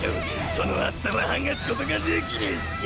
その熱さは剥がすことができないっショ！